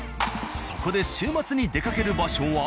そこで週末に出かける場所は。